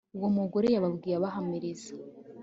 uwo mugore yababwiye abahamiriza